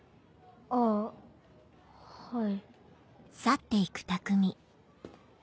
あぁはい。